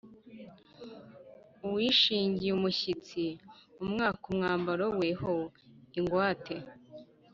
uwishingiye umushyitsi umwaka umwambaro we ho ingwate,